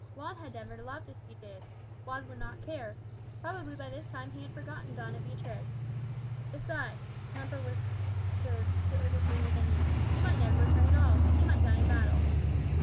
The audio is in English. Juan had never loved as he did; Juan would not care; probably by this time he had forgotten Doña Beatriz. "Besides," the tempter whispered furtively within him, "he might never return at all; he might die in battle."